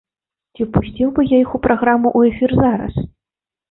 Ці пусціў бы я іх праграму ў эфір зараз?